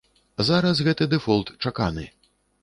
Зараз гэты дэфолт чаканы.